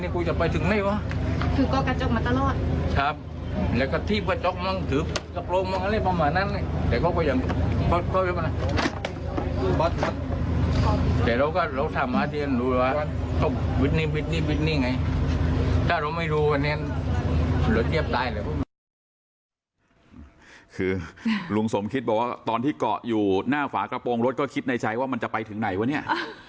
คือลุงสมคิดบอกว่าตอนที่เกาะอยู่หน้าฝากระโปรงรถก็คิดในใจว่ามันจะไปถึงไหนวะเนี่ย